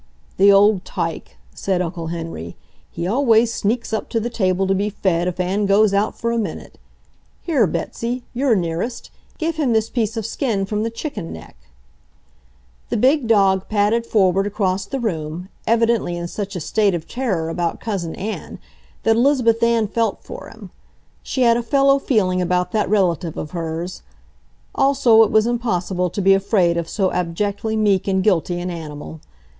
"The old tyke!" said Uncle Henry. "He always sneaks up to the table to be fed if Ann goes out for a minute. Here, Betsy, you're nearest, give him this piece of skin from the chicken neck." The big dog padded forward across the room, evidently in such a state of terror about Cousin Ann that Elizabeth Ann felt for him. She had a fellow feeling about that relative of hers. Also it was impossible to be afraid of so abjectly meek and guilty an animal.